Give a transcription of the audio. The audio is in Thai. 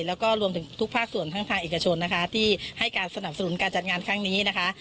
แล้วก็รวมถึงทุกภาคส่วนทั้งทางเอกชนนะคะที่ให้การสนับสนุนการจัดงานครั้งนี้นะคะ